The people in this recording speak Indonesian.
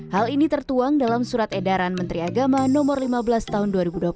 hal ini tertuang dalam surat edaran menteri agama no lima belas tahun dua ribu dua puluh satu